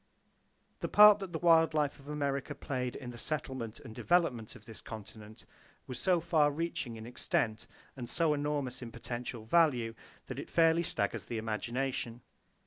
The part that the wild life of America played in the settlement and development of this continent was so far reaching in extent, and so enormous in potential value, that it fairly staggers the imagination.